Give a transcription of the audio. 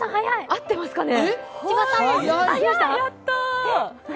合ってますかね？